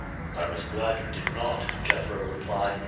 "I was glad you did not," Jethro replied.